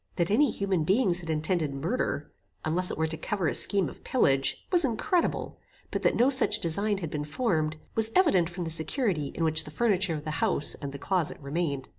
That any human beings had intended murder, unless it were to cover a scheme of pillage, was incredible; but that no such design had been formed, was evident from the security in which the furniture of the house and the closet remained.